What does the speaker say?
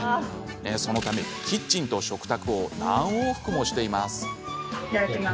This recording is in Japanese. そのため、キッチンと食卓を何往復もしています。